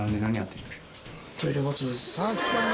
確かに。